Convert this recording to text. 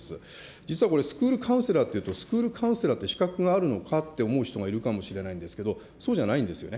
実はこれ、スクールカウンセラーというとスクールカウンセラーっていう資格があるのかと思う人がいるかもしれないんですけれども、そうじゃないんですよね。